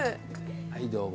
はいどうも。